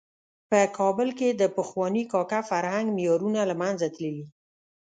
په کابل کې د پخواني کاکه فرهنګ معیارونه له منځه تللي.